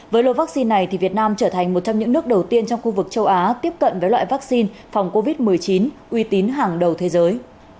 với lô vaccine này việt nam trở thành một trong những nước đầu tiên trong khu vực châu á tiếp cận với loại vaccine phòng covid một mươi chín uy tín hàng đầu thế giới